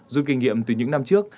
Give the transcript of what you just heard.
dù kinh nghiệm từ những năm trước